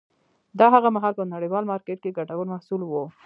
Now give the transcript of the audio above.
دا هغه مهال په نړیوال مارکېت کې ګټور محصول و.